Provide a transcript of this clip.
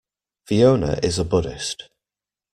Fiona is a Buddhist.